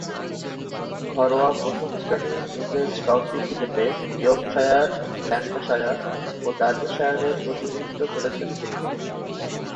ঘরোয়া প্রথম-শ্রেণীর ইংরেজ কাউন্টি ক্রিকেটে ইয়র্কশায়ার, ল্যাঙ্কাশায়ার ও ডার্বিশায়ারের প্রতিনিধিত্ব করেছেন তিনি।